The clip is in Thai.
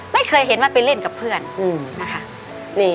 ไม่เคยเห็นว่าไปเล่นกับเพื่อนนะคะ